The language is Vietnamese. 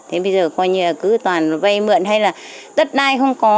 thế bây giờ coi như là cứ toàn vay mượn hay là đất đai không có